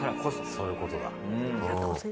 そういうことだ。